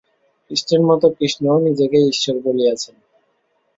খ্রীষ্টের মত কৃষ্ণও নিজেকেই ঈশ্বর বলিয়াছেন।